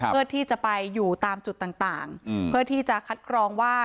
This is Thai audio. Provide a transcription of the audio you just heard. เพื่อที่จะไปอยู่ตามจุดต่างเพื่อที่จะคัดกรองว่า